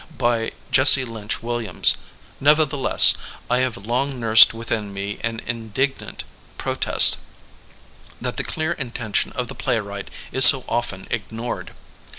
by Jesse Lynch Williams, nevertheless, I have long nursed within me an indignant protest that the clear intention of the playwright is so often ignored.